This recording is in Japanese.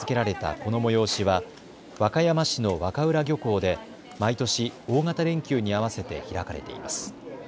この催しは和歌山市の和歌浦漁港で毎年、大型連休に合わせて開かれています。